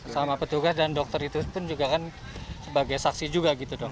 sama petugas dan dokter itu pun juga kan sebagai saksi juga gitu dok